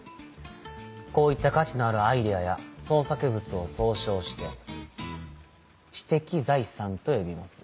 こういった価値のあるアイデアや創作物を総称して「知的財産」と呼びます。